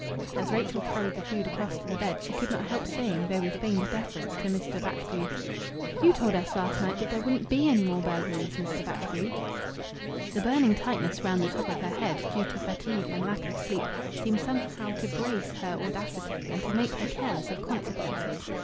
As Rachel carried the food across to the bed, she could not help saying, though with feigned deference, to Mr. Batchgrew "You told us last night that there wouldn't be any more burglaries, Mr. Batchgrew." The burning tightness round the top of her head, due to fatigue and lack of sleep, seemed somehow to brace her audacity, and to make her careless of consequences.